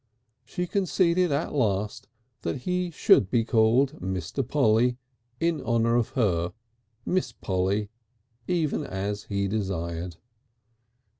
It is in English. She conceded at last that he should be called Mr. Polly, in honour of her, Miss Polly, even as he desired.